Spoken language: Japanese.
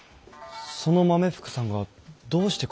その豆福さんがどうしてこの一件と？